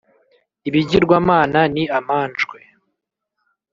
Ibigirwamana ni amanjwe